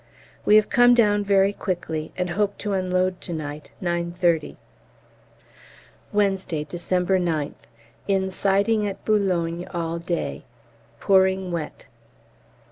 We have come down very quickly, and hope to unload to night, 9.30. Wednesday, December 9th. In siding at Boulogne all day. Pouring wet.